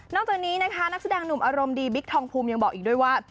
จากนี้นะคะนักแสดงหนุ่มอารมณ์ดีบิ๊กทองภูมิยังบอกอีกด้วยว่า